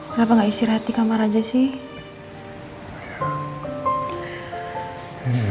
kenapa gak istirahat di kamar aja sih